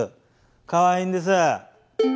かわいいんです。